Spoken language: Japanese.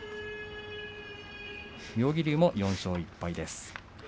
妙義龍も４勝１敗です。